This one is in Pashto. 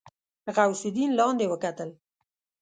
غوث الدين لاندې وکتل.